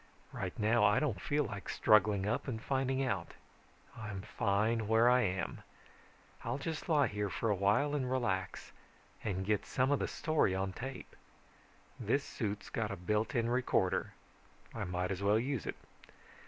Right now I don't feel like struggling up and finding out. I'm fine where I am. I'll just lie here for a while and relax, and get some of the story on tape. This suit's got a built in recorder, I might as well use it.